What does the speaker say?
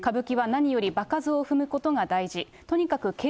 歌舞伎は何より場数を踏むことが大事。